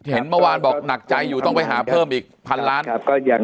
เห็นเมื่อวานบอกหนักใจอยู่ต้องไปหาเพิ่มอีกพันล้าน